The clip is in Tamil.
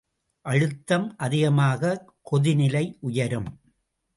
அழுத்தம் அதிகமாகக் கொதிநிலை உயரும்.